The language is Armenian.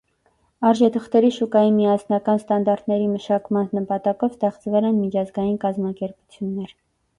Արժեթղթերի շուկայի միասնական ստանդարտների մշակման նպատակով ստեղծվել են միջազգային կազմակերպություններ։